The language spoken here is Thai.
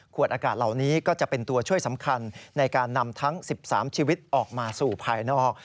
อากาศเหล่านี้ก็จะเป็นตัวช่วยสำคัญในการนำทั้ง๑๓ชีวิตออกมาสู่ภายนอก